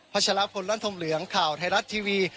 พัชละพลล้านธมเหลืองข่าวไทยรัฐทีวี